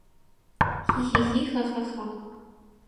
— Хи-хи-хи-ха-ха-ха!..